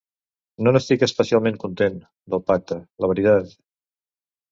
No n’estic especialment content, del pacte, la veritat.